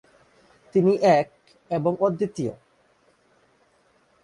তিনি "এক এবং অদ্বিতীয়"।